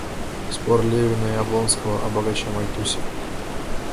Спор Левина и Облонского о богаче Мальтусе.